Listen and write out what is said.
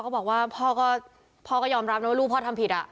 พอก็บอกว่าพ่อก็ยอมรับยังว่าลูกพ่อทำผิดอ่ะ